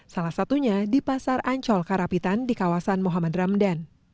salah satunya di pasar ancol karapitan di kawasan muhammad ramdan